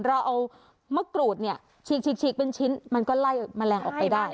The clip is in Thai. เราเอามะกรูดเนี่ยฉีกเป็นชิ้นมันก็ไล่แมลงออกไปได้